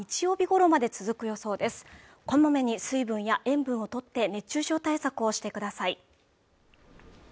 こまめに水分や塩分をとって熱中症対策をしてください